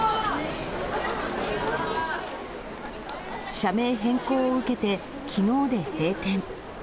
社名変更を受けて、きのうで閉店。